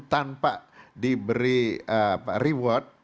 tanpa diberi reward